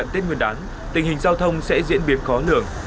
tình hình giao thông sẽ diễn biến khó lường